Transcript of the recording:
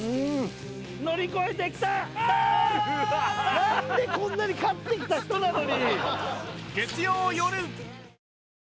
なんでこんなに勝ってきた人なのに！